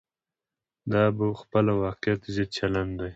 دا په خپله واقعیت ضد چلن دی.